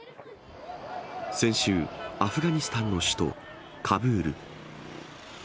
先週、アフガニスタンの首都カブール。